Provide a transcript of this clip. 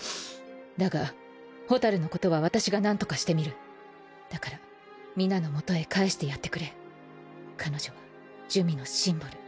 だが蛍のことは私がなんとかしてみだから皆のもとへ帰してやってくれ彼女は珠魅のシンボル